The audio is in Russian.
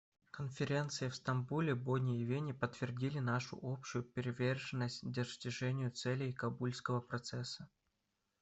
Конференции в Стамбуле, Бонне и Вене подтвердили нашу общую приверженность достижению целей Кабульского процесса.